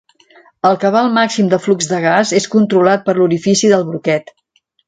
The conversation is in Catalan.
El cabal màxim de flux de gas és controlat per l'orifici del broquet.